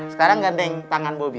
sekarang gandeng tangan bobi